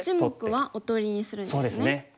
１目はおとりにするんですね。